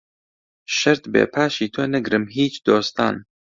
شەرت بێ پاشی تۆ نەگرم هیچ دۆستان